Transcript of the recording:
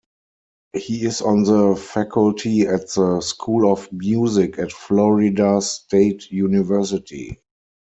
He is on the faculty at the School of Music at Florida State University.